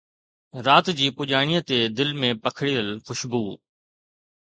رات جي پڄاڻيءَ تي دل ۾ پکڙيل خوشبوءِ